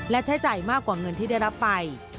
และใช้จ่ายมากกว่าเงินที่ได้รับไป